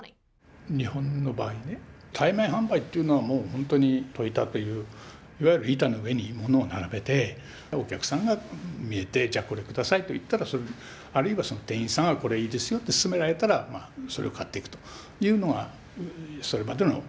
日本の場合ね対面販売というのはもうほんとに戸板といういわゆる板の上にものを並べてお客さんがみえて「じゃこれ下さい」と言ったらあるいはその店員さんが「これいいですよ」って勧められたらそれを買っていくというのがそれまでの商売のやり方だった。